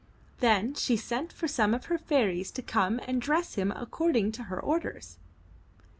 Then she sent for some of her fairies to come and dress him accord ing to her orders.